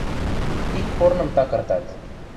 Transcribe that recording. Ик корным такыртат.